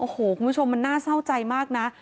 โอ้โหคุณผู้ชมมันน่าเศร้าใจมากนะ